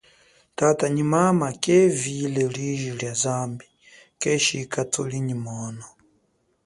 Tata nyi mama kevile liji lia zambi keshika thuli nyi mono.